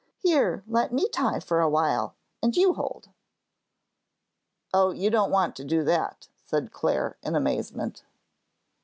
Here, let me tie for a while, and you hold." "Oh, you don't want to do that," said Clare, in amazement.